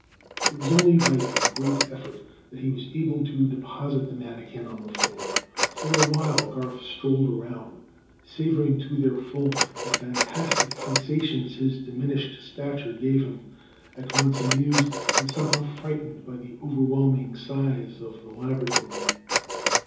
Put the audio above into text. It was only by a great effort that he was able to deposit the manikin on the floor. For a while Garth strolled around, savoring to their full the fantastic sensations his diminished stature gave him, at once amused and somehow frightened by the overwhelming size of the laboratory.